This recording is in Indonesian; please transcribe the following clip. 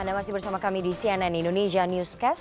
anda masih bersama kami di cnn indonesia newscast